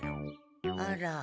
あら。